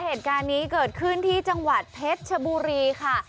เหตุการณ์นี้เกิดขึ้นที่จังหวัดเพชรชบุรีค่ะ